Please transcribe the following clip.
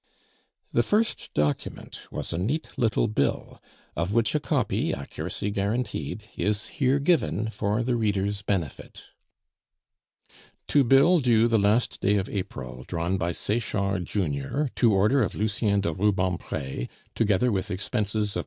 The first document was a neat little bill, of which a copy (accuracy guaranteed) is here given for the reader's benefit: To Bill due the last day of April, drawn by Sechard, junior, to order of Lucien de Rubempre, _together with expenses of fr.